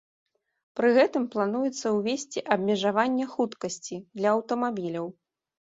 Пры гэтым плануецца ўвесці абмежаванне хуткасці для аўтамабіляў.